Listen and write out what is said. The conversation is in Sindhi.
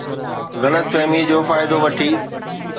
غلط فهمي جو فائدو وٺي